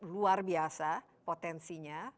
luar biasa potensinya